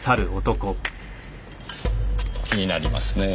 気になりますねぇ。